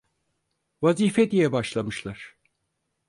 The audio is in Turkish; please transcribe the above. Vazife diye başlamışlar…